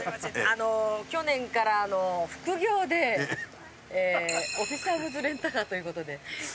あの去年から副業でオフィスアムズレンタカーということで。